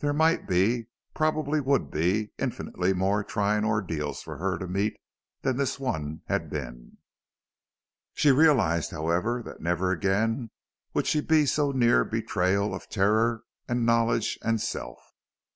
There might be, probably would be, infinitely more trying ordeals for her to meet than this one had been; she realized, however, that never again would she be so near betrayal of terror and knowledge and self.